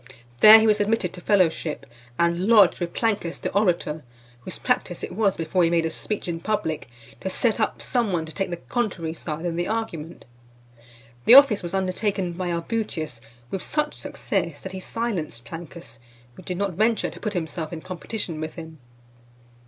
There he was admitted to fellowship, and lodged, with Plancus the orator , whose practice it was, before he made a speech in public, to set up some one to take the contrary side in the argument. The office was undertaken by Albutius with such success, that he silenced Plancus, who did not venture to put himself in competition with him.